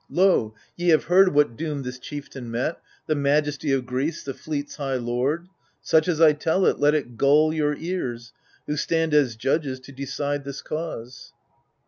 THE FURIES 165 Lo, ye have heard what doom this chieftain met, The majesty of Greece, the fleet's high lord : Such as I tell it, let it gall your ears, Who stand as judges to decide this cause.